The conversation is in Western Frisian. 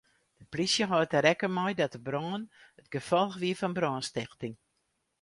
De plysje hâldt der rekken mei dat de brân it gefolch wie fan brânstichting.